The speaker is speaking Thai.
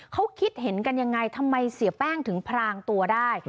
เขาคิดเห็นกันยังไงทำไมเสียแป้งถึงพรางตัวได้